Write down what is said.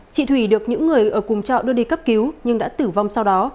chị thủy được những người ở cùng trọ đưa đi cấp cứu nhưng đã tử vong sau đó